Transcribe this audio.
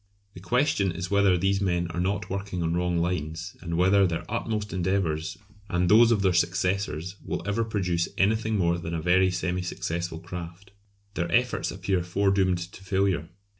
The question is whether these men are not working on wrong lines, and whether their utmost endeavours and those of their successors will ever produce anything more than a very semi successful craft. Their efforts appear foredoomed to failure.